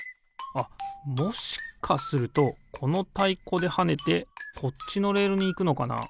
あっもしかするとこのたいこではねてこっちのレールにいくのかな？